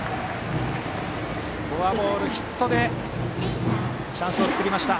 フォアボール、ヒットでチャンスを作りました。